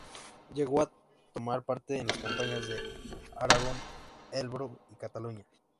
Llegó a tomar parte en las campañas de Aragón, el Ebro y Cataluña.